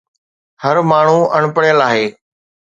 هر ماڻهو اڻ پڙهيل آهي